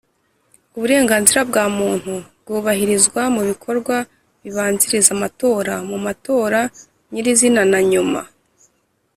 uburenganzira bwa Muntu bwubahirizwa mu bikorwa bibanziriza amatora mu matora nyirizina na nyuma